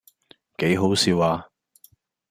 幾好笑呀